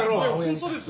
本当です！